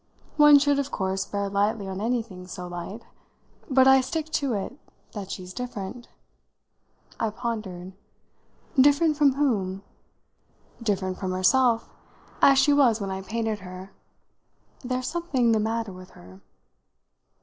One should of course bear lightly on anything so light. But I stick to it that she's different." I pondered. "Different from whom?" "Different from herself as she was when I painted her. There's something the matter with her."